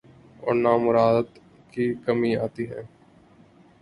اورنہ مراعات میں کمی آتی ہے۔